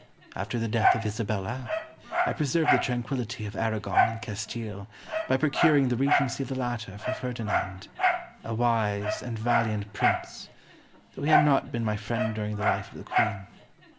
After the death of Isabella I preserved the tranquillity of Aragon and Castile by procuring the regency of the latter for Ferdinand, a wise and valiant prince, though he had not been my friend during the life of the queen.